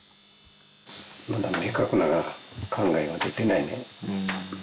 まだ明確な考えは出ていないね。